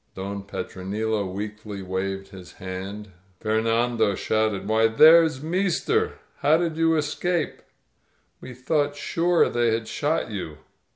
Don Petronilo weakly waved his hand; Fernando shouted, *TVhy, there's meester! How did you escape? We thought sure they had shot you."